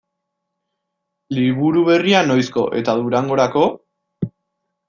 Liburu berria noizko eta Durangorako?